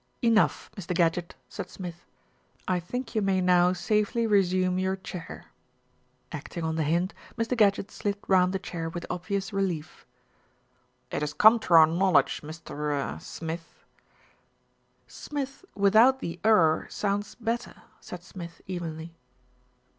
"Enough, Mr. Gadgett," said Smith. "I think you may now safely resume your chair." Acting on the hint, Mr. Gadgett slid round the chair with obvious relief. MR. GADGETT PAYS A CALL 249 "It has come to our knowledge, Mr. er Smith " "Smith without the 'er' sounds better," said Sm'th evenly.